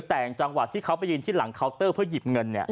แต่งจังหวะที่เขาไปยืนที่หลังเคาน์เตอร์เพื่อหยิบเงิน